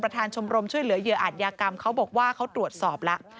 ชมรมช่วยเหลือเหยื่ออาจยากรรมเขาบอกว่าเขาตรวจสอบแล้ว